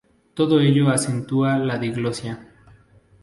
Todo ello acentúa la diglosia.